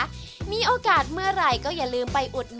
วันนี้ขอบคุณพี่อมนต์มากเลยนะครับ